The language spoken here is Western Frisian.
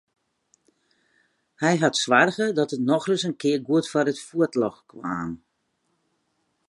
Hy hat soarge dat it nochris in kear goed foar it fuotljocht kaam.